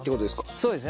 そうですね。